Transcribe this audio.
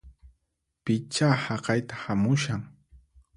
Pichá haqayta hamushan!